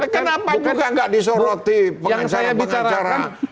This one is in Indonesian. kenapa bukan gak disoroti pengacara pengacara yang ngajak nego